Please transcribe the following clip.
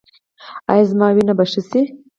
ایا زما وینه به ښه شي؟